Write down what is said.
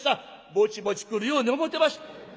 「ぼちぼち来るように思てました」。